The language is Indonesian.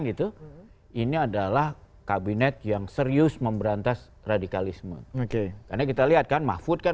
gitu ini adalah kabinet yang serius memberantas radikalisme karena kita lihat kan mahfud kan